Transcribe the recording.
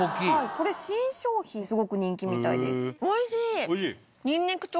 これ新商品、すごく人気みたいです。